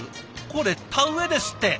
これ田植えですって。